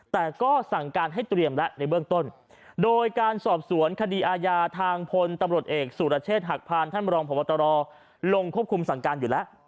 แต่ก็สั่งการให้เตรียมแล้วในเบื้องต้นโดยการสอบสวนคดีอาญาทางพลตำรวจเอกสุรเชษฐ์หักพานท่านบรองพบตรลงควบคุมสั่งการอยู่แล้ว